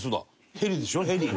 ヘリでしょヘリ。